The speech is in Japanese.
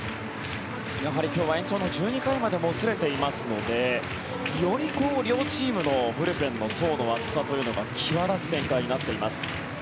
今日は延長１２回までもつれていますのでより両チームのブルペンの層の厚さというのが際立つ展開になっています。